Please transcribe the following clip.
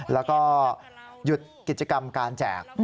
แล้วก็หยุดกิจกรรมการแจก